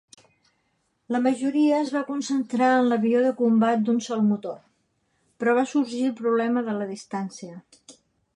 La majoria es va concentrar en l'avió de combat d'un sol motor, però va sorgir el problema de la distància.